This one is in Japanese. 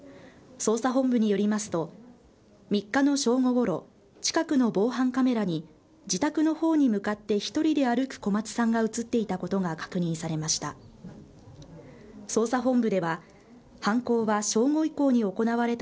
捜査本部によりますと、３日の正午ごろ、近くの防犯カメラに、自宅のほうに向かって１人で歩く小松さんが写っていたことが確認されました。